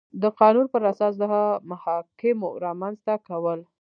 د قانون پر اساس د محاکمو رامنځ ته کول